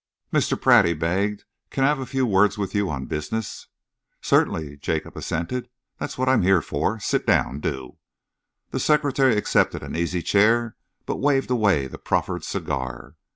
"Mr. Pratt," he begged, "can I have a few words with you on business?" "Certainly," Jacob assented. "That's what I'm here for. Sit down, do." The secretary accepted an easy chair but waved away the proffered cigar.